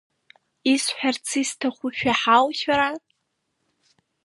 Исҳәарц исҭаху шәаҳау шәара?